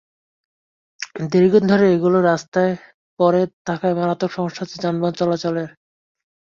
দীর্ঘদিন ধরে এগুলো রাস্তায় পড়ে থাকায় মারাত্মক সমস্যা হচ্ছে যানবাহন চলাচলে।